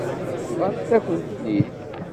Bḍant-akent-ten-id.